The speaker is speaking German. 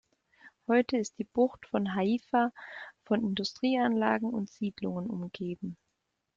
Heute ist die Bucht von Haifa von Industrieanlagen und Siedlungen umgeben.